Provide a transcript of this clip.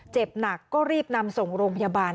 เจ็บหนักก็รีบนำส่งโรงพยาบาล